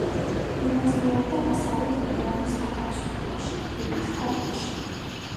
მონაწილეობდა დასავლეთ უკრაინის განთავისუფლებაში, ფინეთთან ომში.